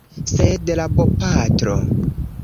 Sed la bopatro…